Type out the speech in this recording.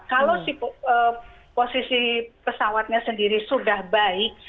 kalau posisi pesawatnya sendiri sudah baik